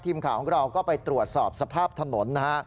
ทีมข่าวของเราก็ไปตรวจสอบสภาพถนนนะฮะ